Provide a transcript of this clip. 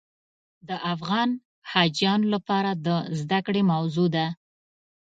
د افغان حاجیانو لپاره د زده کړې موضوع ده.